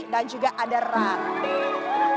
dan juga ada rame